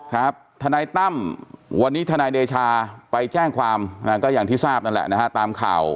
ทนายตั้มวันนี้ทนายเดชาไปแจ้งความก็อย่างที่ทราบนั่นแหละนะฮะตามข่าว